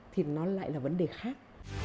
thì nó lại là vấn đề khác